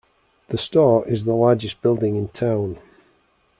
The store is the largest building in town.